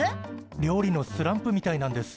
料理のスランプみたいなんです。